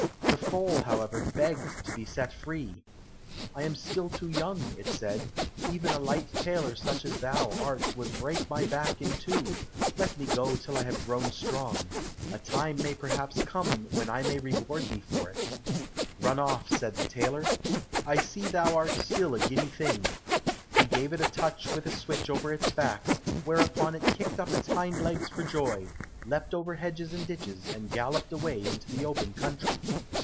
The foal, however, begged to be set free. "I am still too young," it said, "even a light tailor such as thou art would break my back in two let me go till I have grown strong. A time may perhaps come when I may reward thee for it." "Run off," said the tailor, "I see thou art still a giddy thing." He gave it a touch with a switch over its back, whereupon it kicked up its hind legs for joy, leapt over hedges and ditches, and galloped away into the open country.